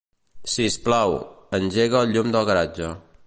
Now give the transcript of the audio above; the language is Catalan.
Sisplau, engega el llum del garatge.